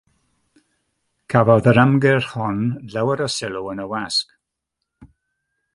Cafodd yr ymgyrch hon lawer o sylw yn y wasg.